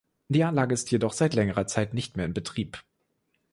Die Anlage ist jedoch seit längerer Zeit nicht mehr in Betrieb.